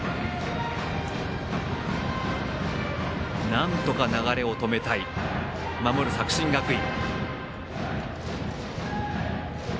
なんとか流れを止めたい守る作新学院。